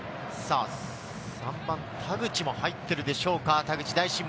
３番・田口も入っているでしょうか？